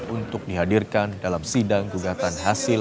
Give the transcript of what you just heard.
untuk dihadirkan dalam sidang gugatan hasil